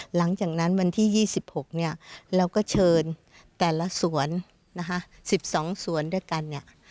หลังจากนั้นวันที่๒๖เราก็เชิญแต่ละส่วน๑๒ส่วนด้วยกัน